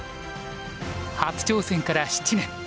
初挑戦から７年。